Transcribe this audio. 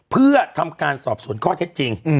เพื่อทำการสอบสวนข้อเท็จจริง